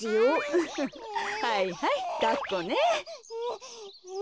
ウフフはいはいだっこね。